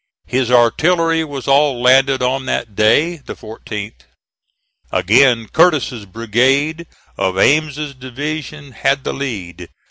His artillery was all landed on that day, the 14th. Again Curtis's brigade of Ame's division had the lead.